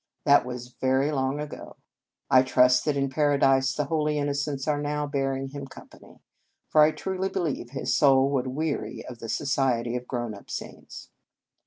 That was very long ago. I trust that in Paradise the Holy Innocents are now bearing him company, for I truly believe his soul would weary of the society of grown up saints.